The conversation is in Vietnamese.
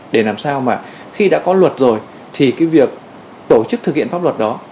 để làm sao khi đã có luật rồi thì việc tổ chức thực hiện pháp luật đó